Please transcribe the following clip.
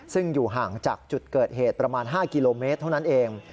ซึ่งอยู่ห่างจากจุดเกิดเหตุประมาณ๕กิโลเมตรเท่านั้นเอง